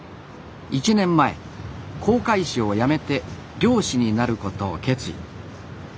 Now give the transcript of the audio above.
１年前航海士を辞めて漁師になることを決意。